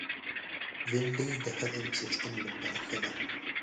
بېنډۍ د هضم سیستم لپاره ښه ده